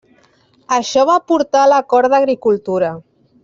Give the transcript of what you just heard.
Això va portar a l'Acord d'Agricultura.